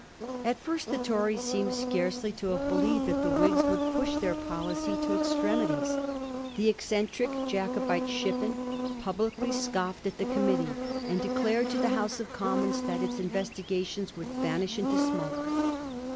At first the Tories seem scarcely to have believed that the Whigs would push their policy to extremities. The eccentric Jacobite Shippen publicly scoffed at the committee, and declared in the House of Commons that its investigations would vanish into smoke.